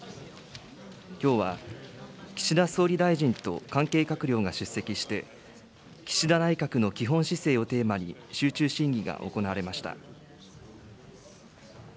きょうは岸田総理大臣と関係閣僚が出席して岸田内閣の基本姿勢をテーマに、集中審議が行われました。